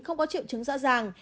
không có triệu chứng rõ ràng